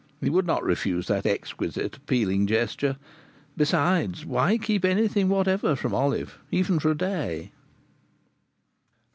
He would not refuse that exquisite, appealing gesture. Besides, why keep anything whatever from Olive, even for a day?